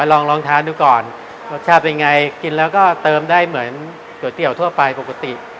ลองลองทานดูก่อนรสชาติเป็นไงกินแล้วก็เติมได้เหมือนก๋วยเตี๋ยวทั่วไปปกติ